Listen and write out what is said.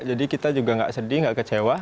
jadi kita juga enggak sedih enggak kecewa